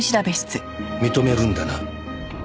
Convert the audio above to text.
認めるんだな？